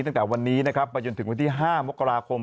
ตั้งแต่วันนี้นะครับไปจนถึงวันที่๕มกราคม